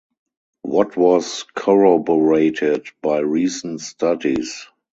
What was corroborated by recent studies.